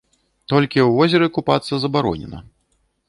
Толькі ў возеры купацца забаронена.